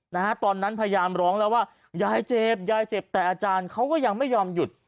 นะฮะตอนนั้นพยายามร้องแล้วว่ายายเจ็บยายเจ็บแต่อาจารย์เขาก็ยังไม่ยอมหยุด